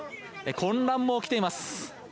混乱も起きています。